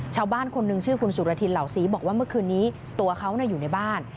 ชาวบ้านคนหนึ่งชื่อคุณสุรทินเหล่าศรีบอกว่าเมื่อคืนนี้ตัวเขาอยู่ในบ้าน